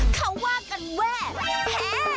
เขาว่ากันว่าแพ้